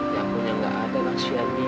ya ampun yang gak ada nasi andi